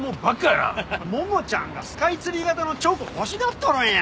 桃ちゃんがスカイツリー形のチョコ欲しがっとるんや。